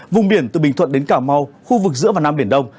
vùng biển từ bình thuận đến cà mau khu vực giữa và nam biển đông